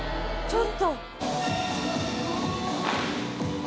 ちょっと！